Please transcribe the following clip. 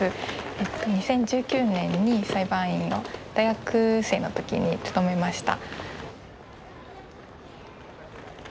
２０１９年に裁判員を大学生の時に務めました。